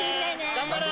頑張れ！